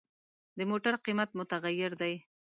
د موټر قیمت متغیر دی.